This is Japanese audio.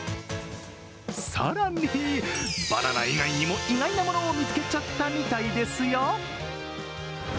更に、バナナ以外にも意外なものを見つけちゃったみたいですよ。